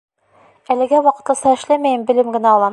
Әлегә ваҡытлыса эшләмәйем, белем генә алам.